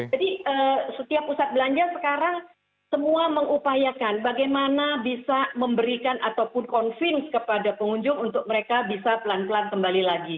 jadi setiap pusat belanja sekarang semua mengupayakan bagaimana bisa memberikan ataupun convince kepada pengunjung untuk mereka bisa pelan pelan kembali lagi